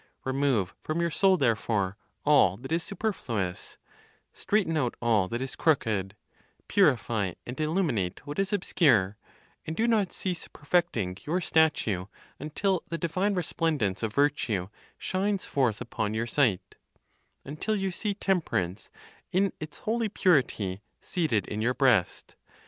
Remove from your soul, therefore, all that is superfluous, straighten out all that is crooked, purify and illuminate what is obscure, and do not cease perfecting your statue until the divine resplendence of virtue shines forth upon your sight, until you see temperance in its holy purity seated in your breast.